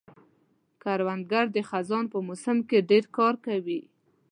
کروندګر د خزان په موسم کې ډېر کار کوي